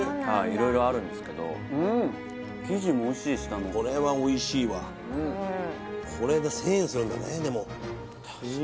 色々あるんですけどうん生地もおいしい下のこれはおいしいわこれで１０００円するんだね